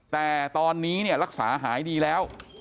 แต่ตอนนี้เนี่ยรักษาหายดีแล้ว